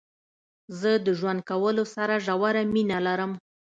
زه د ژوند کولو سره ژوره مينه لرم.